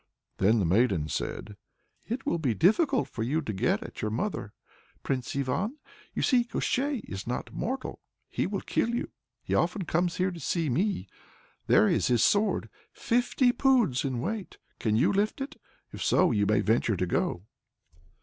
Then the maiden said: "It will be difficult for you to get at your mother, Prince Ivan. You see, Koshchei is not mortal: he will kill you. He often comes here to see me. There is his sword, fifty poods in weight. Can you lift it? If so, you may venture to go."